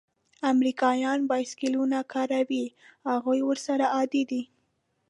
امریکایان بایسکلونه کاروي؟ هغوی ورسره عادي دي.